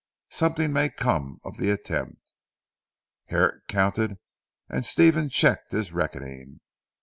Something may come of the attempt." Herrick counted and Stephen checked his reckoning.